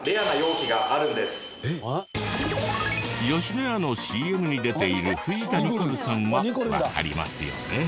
野家のＣＭに出ている藤田ニコルさんはわかりますよね？